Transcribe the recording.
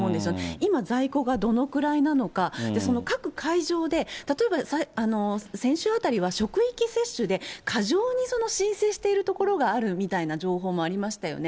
今、在庫がどのくらいなのか、その各会場で、例えば先週あたりは職域接種で過剰に申請している所があるみたいな情報もありましたよね。